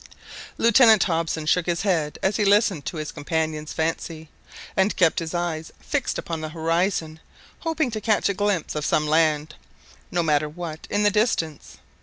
Lieutenant Hobson shook his head as he listened to his companion's fancy, and kept his eyes fixed upon the horizon, hoping to catch a glimpse of some land, no matter what, in the distance.